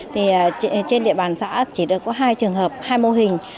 thì trên địa bàn xã chỉ được có hai trường hợp hai mô hình